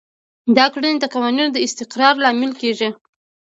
دا کړنې د قوانینو د استقرار لامل کیږي.